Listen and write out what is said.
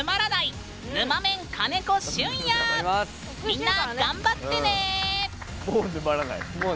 みんな、頑張ってね！